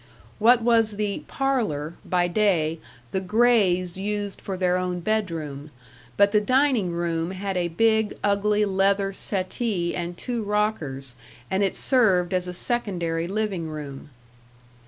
What was the "parlor" by day the Grays used for their own bedroom, but the dining room had a big, ugly, leather settee and two rockers, and it served as a secondary living room.